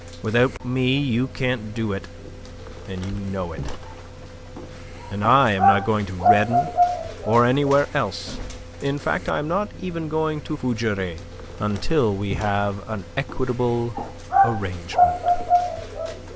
Without me, you can't do it, and you know it; and I am not going to Redon or anywhere else, in fact I am not even going to Fougeray, until we have an equitable arrangement."